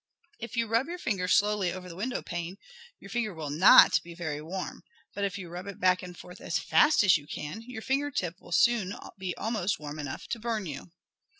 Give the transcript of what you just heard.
"If you rub your finger slowly over the window pane, your finger will not be very warm, but if you rub it back and forth as fast as you can, your finger tip will soon be almost warm enough to burn you.